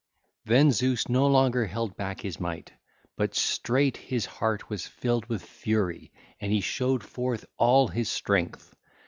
(ll. 687 712) Then Zeus no longer held back his might; but straight his heart was filled with fury and he showed forth all his strength.